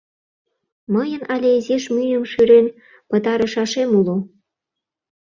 Мыйын але изиш мӱйым шӱрен пытарышашем уло.